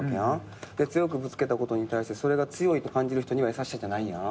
強くぶつけたことに対してそれが強いと感じる人には優しさじゃないやん？